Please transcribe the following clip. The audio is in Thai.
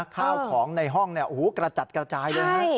ข้าวของในห้องเนี่ยกระจัดกระจายด้วยใช่